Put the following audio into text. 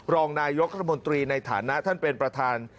รองนายกรัฐมนตรีในฐานะท่านเป็นประธาน